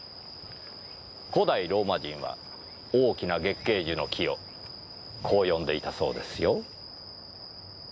古代ローマ人は大きな月桂樹の木をこう呼んでいたそうですよ。